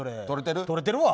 とれてるわ。